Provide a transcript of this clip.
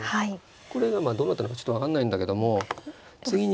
これがまあどうなってるのかちょっと分かんないんだけども次に。